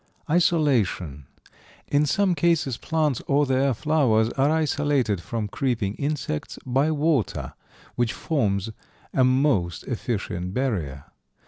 Isolation. In some cases plants or their flowers are isolated from creeping insects by water, which forms a most efficient barrier.